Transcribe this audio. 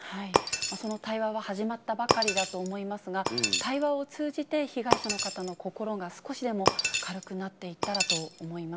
その対話は始まったばかりだと思いますが、対話を通じて、被害者の方の心が少しでも軽くなっていったらと思います。